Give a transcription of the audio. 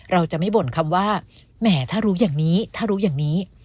เราจะไม่บ่นคำว่าแหมถ้ารู้อย่างนี้ถ้ารู้อย่างนี้